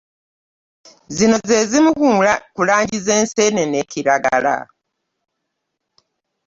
Zino ze zimu ku langi ze nsenene kiragala.